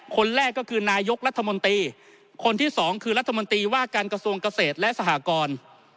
คนแรกก็คือนายกรัฐมนตรีคนที่สองคือรัฐมนตรีว่าการกระทรวงเกษตรและสหกร